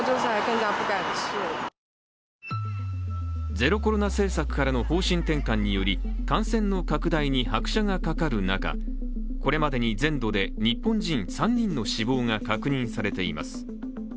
ゼロコロナ政策からの方針転換により感染の拡大に拍車がかかる中、これまでに全土で、日本人３人の死亡が確認されています。